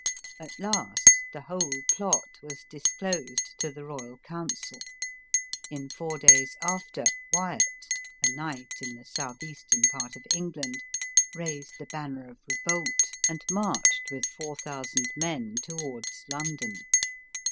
At last the whole plot was disclosed to the royal council. In four days after, Wyatt — a knight, in the south eastern part of England — raised thr banner of revolt, and marched with four thousand me a towards 288 ELIZABETH OF ENGLAND. London.